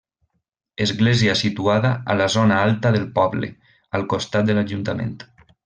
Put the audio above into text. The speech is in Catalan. Església situada a la zona alta del poble, al costat de l'ajuntament.